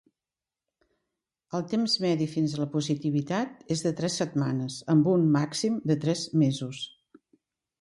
El temps medi fins a la positivitat és de tres setmanes, amb un màxim de tres mesos.